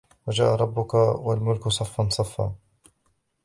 وَجَاءَ رَبُّكَ وَالْمَلَكُ صَفًّا صَفًّا